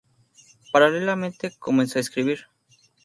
Paralelamente, comenzó a escribir.